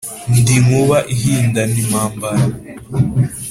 ndi nkuba ihindana impambara